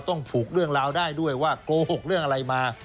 ต้องผูกเรื่องราวได้ด้วยว่าโกหกเรื่องอะไรมา